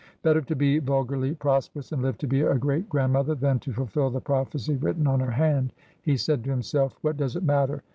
' Better to be vulgarly prosperous and live to be a great grandmother than to fulfil the prophecy written on her hand ' he said to himself. ' What does it matter